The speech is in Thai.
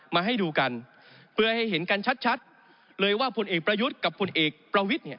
มาให้ดูกันเพื่อให้เห็นกันชัดเลยว่าผลเอกประยุทธ์กับผลเอกประวิทย์เนี่ย